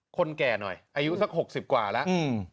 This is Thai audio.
คนแก่หน่อยอายุสัก๖๐กว่าแล้ว